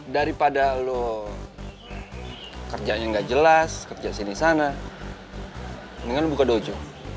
daripada lu kerja gak jelas kerja sini sana mendingan lu buka dojo